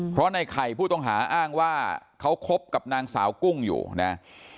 เพราะในไข่ผู้ต้องหาอ้างว่าเขาคบกับนางสาวกุ้งอยู่นะ